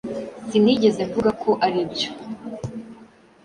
Sinigeze mvuga ko aribyo.